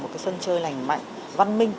một cái sân chơi lành mạnh văn minh